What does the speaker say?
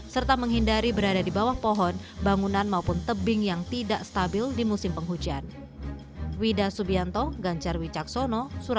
serta menghindari berada di bawah pohon bangunan maupun tebing yang tidak stabil di musim penghujan